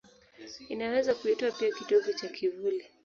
Inaweza kuitwa pia kitovu cha kivuli.